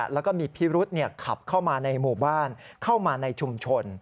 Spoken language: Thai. แล้วก็มีพิรุษขับเข้ามาในหมู่บ้านเข้ามาในชุมชน